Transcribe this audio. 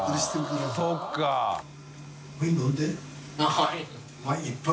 はい。